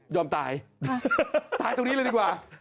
ตายตายตรงนี้เลยดีกว่า